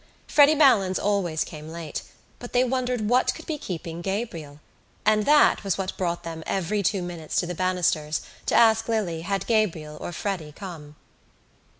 Freddy Malins always came late but they wondered what could be keeping Gabriel: and that was what brought them every two minutes to the banisters to ask Lily had Gabriel or Freddy come.